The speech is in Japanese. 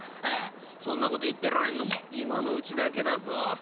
そんなこと言ってられんのも今のうちだけだぞ。